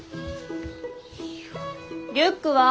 リュックは？